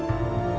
saya tidak tahu